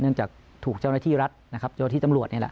จากถูกเจ้าหน้าที่รัฐนะครับเจ้าหน้าที่ตำรวจนี่แหละ